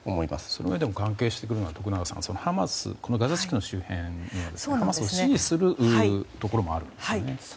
そのうえで関係してくるのはガザ地区の周辺でハマスを支持するところもあるんですよね。